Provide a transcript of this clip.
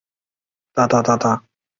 利什派森陶多尔扬。